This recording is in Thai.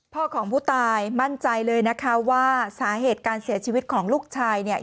ของผู้ตายมั่นใจเลยนะคะว่าสาเหตุการเสียชีวิตของลูกชายเนี่ย